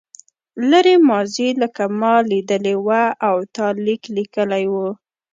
لرې ماضي لکه ما لیدلې وه او تا لیک لیکلی و.